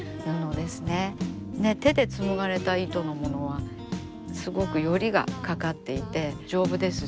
手で紡がれた糸のものはすごくよりがかかっていて丈夫ですし。